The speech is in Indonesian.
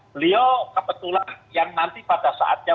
beliau kebetulan yang nanti pada saatnya